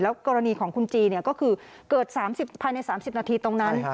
กรณีของคุณจีก็คือเกิด๓๐ภายใน๓๐นาทีตรงนั้น